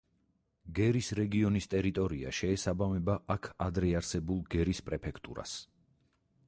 გერის რეგიონის ტერიტორია შეესაბამება აქ ადრე არსებულ გერის პრეფექტურას.